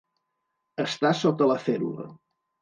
Estar sota la fèrula.